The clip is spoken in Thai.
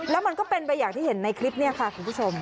แล้วมันก็เป็นไปอย่างที่เห็นในคลิปนี้ค่ะคุณผู้ชม